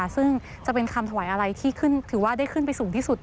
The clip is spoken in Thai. ซึ่งจะเป็นคำถวายอะไรที่ถือว่าได้ขึ้นไปสูงที่สุด